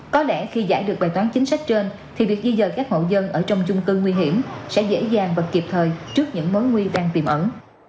có lẽ khi giải được bài toán chính sách trên thì việc di dời các hậu dân ở trong chung cư nguy hiểm sẽ dễ dàng và kịp thời trước những mối nguy đang tìm ẩn